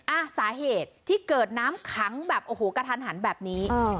อ่ะสาเหตุที่เกิดน้ำขังแบบโอ้โหกระทันหันแบบนี้